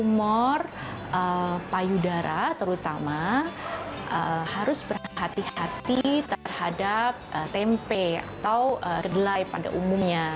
tumor payudara terutama harus berhati hati terhadap tempe atau kedelai pada umumnya